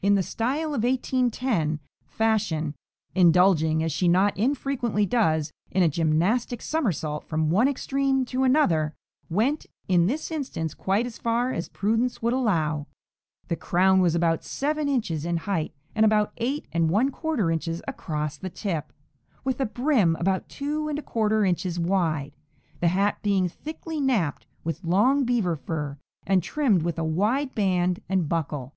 [Illustration: 1810] In the style of 1810, Fashion, indulging as she not infrequently does, in a gymnastic summersault from one extreme to another, went in this instance quite as far as prudence would allow: the crown was about seven inches in height and about eight and one quarter inches across the tip, with a brim about two and a quarter inches wide, the hat being thickly napped with long beaver fur and trimmed with a wide band and buckle.